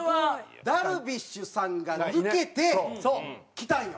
ダルビッシュさんが抜けて来たんよ。